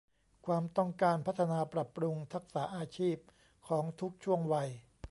ความต้องการพัฒนาปรับปรุงทักษะอาชีพของทุกช่วงวัย